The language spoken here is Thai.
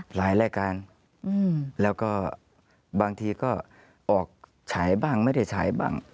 หลายรายการแล้วก็บางทีก็ออกฉายบ้างไม่ได้ฉายบ้าง